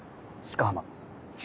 鹿浜？